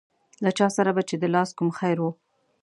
له چا سره به چې د لاس کوم خیر و.